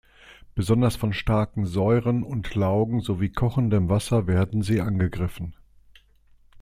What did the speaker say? Besonders von starken Säuren und Laugen sowie kochendem Wasser werden sie angegriffen.